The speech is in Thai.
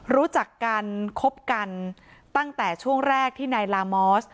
รู้จักกันคบกันตั้งแต่ช่วงแรกที่นายลามอส